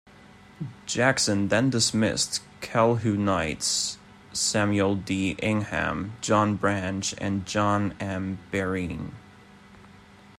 Jackson then dismissed Calhounites Samuel D. Ingham, John Branch, and John M. Berrien.